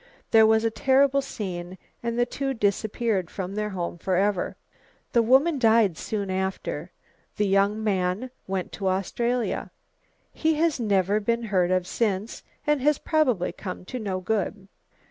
There was a terrible scene, and the two disappeared from their home forever. The woman died soon after. The young man went to Australia. He has never been heard of since and has probably come to no good."